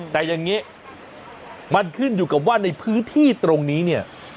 แต่อย่างนี้มันขึ้นอยู่กับว่าในพื้นที่ตรงนี้เนี่ย